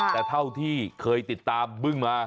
แต่เท่าที่เคยติดตามบึ้งมา